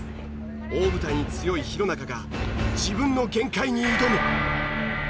大舞台に強い弘中が自分の限界に挑む！